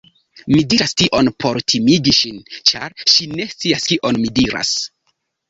Mi diras tion por timigi ŝin, ĉar ŝi ne scias kion mi diras.